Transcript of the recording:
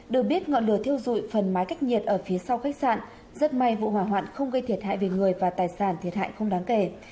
được biết ngọn lửa thiêu dụi phần mái cách nhiệt ở phía sau khách sạn rất may vụ hỏa hoạn không gây thiệt hại về người và tài sản thiệt hại không đáng kể